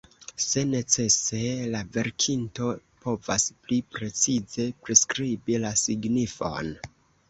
Se necese, la verkinto povas pli precize priskribi la signifon.